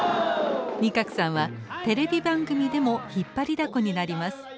仁鶴さんはテレビ番組でも引っ張りだこになります。